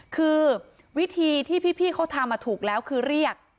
คือวิธีที่พี่เขาทำถูกแล้วคือเรียก